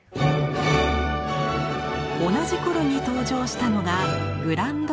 同じ頃に登場したのが「グランド・オペラ」。